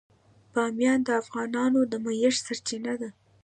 بامیان د افغانانو د معیشت سرچینه ده.